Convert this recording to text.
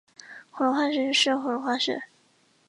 恐龙化石是恐龙的化石。